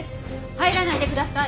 入らないでください。